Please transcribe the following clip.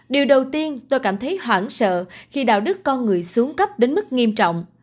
điều đầu tiên tôi cảm thấy hoảng sợ khi đạo đức con người xuống cấp đến mức nghiêm trọng